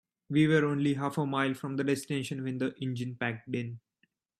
We were only half a mile from the destination when the engine packed in.